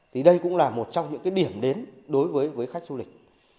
thì đây cũng là một trong những điểm đến đối với khách du lịch